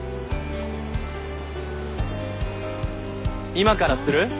今からする？